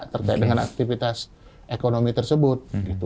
terkait dengan aktivitas ekonomi tersebut